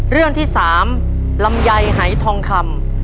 เรื่องที่๓ลำไยหายทองคำ